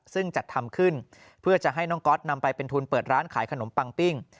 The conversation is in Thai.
ซึ่งจัดทำขึ้นเพื่อจะให้น้องก๊อตนำไปเป็นทุนเปิดร้านขายขนมปังปิ้ง